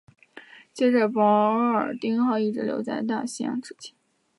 接着保尔丁号一直留在大西洋执勤。